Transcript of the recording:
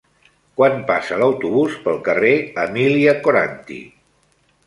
Quan passa l'autobús pel carrer Emília Coranty?